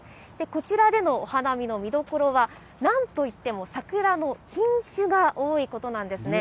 こちらでのお花見の見どころは、なんといっても、桜の品種が多いことなんですね。